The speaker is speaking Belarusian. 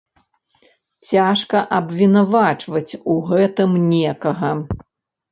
Цяжка абвінавачваць у гэтым некага.